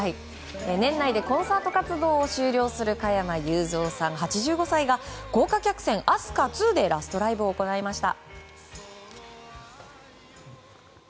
年内でコンサート活動を終了する加山雄三さん、８５歳が豪華客船「飛鳥２」でラストライブを行いました。